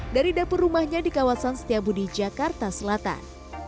dari dapur rumahnya di kawasan setiabudi jakarta selatan